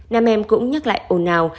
nam em cũng nhắc lại ồn ào